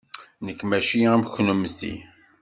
Nekk maci am kennemti!